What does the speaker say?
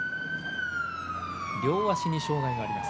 両足に障がいがあります。